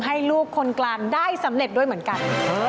ให้ลูกคนกลางได้สำเร็จด้วยเหมือนกัน